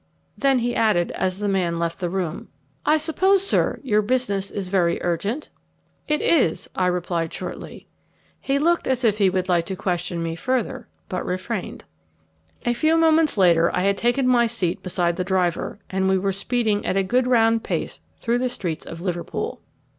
Then he added, as the man left the room, "I suppose, sir, your business is very urgent?" "It is," I replied shortly. He looked as if he would like to question me further, but refrained. A few moments later I had taken my seat beside the driver, and we were speeding at a good round pace through the streets of Liverpool.